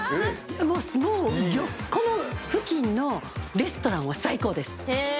もうこの付近のレストランは最高です。